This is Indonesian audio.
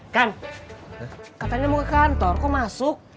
kan katanya mau ke kantor kok masuk